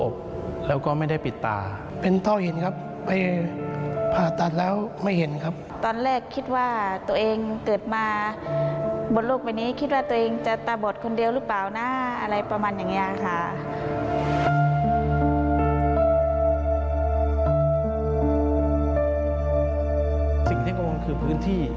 ซีกเท็กโง่งคือพื้นที่